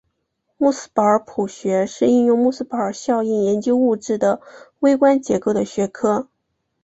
穆斯堡尔谱学是应用穆斯堡尔效应研究物质的微观结构的学科。